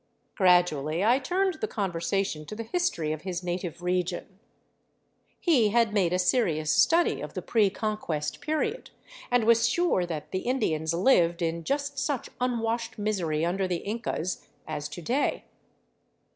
Grad ually I turned the conversation to the history of his native region. He had made a serious study of the pre Conquest period, and was sure that the Indians lived in just such unwashed misery under the Incas, as to day.